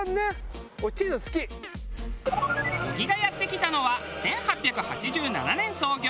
小木がやって来たのは１８８７年創業